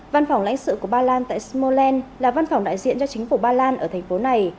văn phòng lãnh sự của ba lan tại smolens là văn phòng đại diện cho chính phủ ba lan ở thành phố này